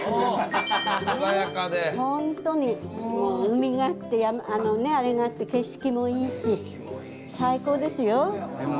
ホントにもう海があって山があって景色もいいし最高ですよ。